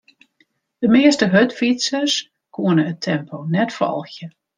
De measte hurdfytsers koene it tempo net folgje.